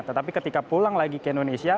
tetapi ketika pulang lagi ke indonesia